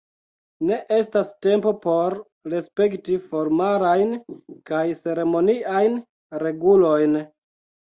Ne estas tempo por respekti formalajn kaj ceremoniajn regulojn.